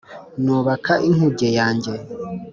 nubaka inkuge yanjye